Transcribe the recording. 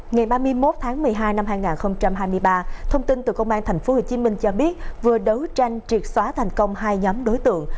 ngày ba mươi một tháng một mươi hai năm hai nghìn hai mươi ba thông tin từ công an tp hcm cho biết vừa đấu tranh triệt xóa thành công hai nhóm đối tượng